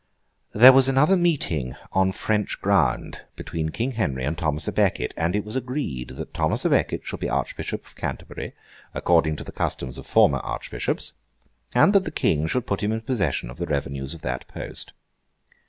There was another meeting on French ground between King Henry and Thomas à Becket, and it was agreed that Thomas à Becket should be Archbishop of Canterbury, according to the customs of former Archbishops, and that the King should put him in possession of the revenues of that post.